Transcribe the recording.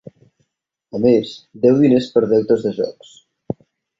A més, deu diners per deutes de jocs.